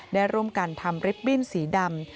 ได้ร่วมกันทำลิฟตบิ้นสีดำ